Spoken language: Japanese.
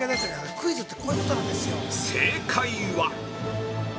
◆正解は。